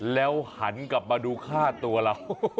แล้วหันกลับมาดูค่าตัวเรา